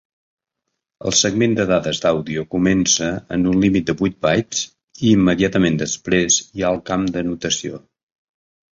El segment de dades d'àudio comença en un límit de vuit "bytes" i immediatament després hi ha el camp d'anotació.